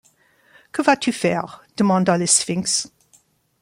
Que vas-tu faire ? demanda le sphinx.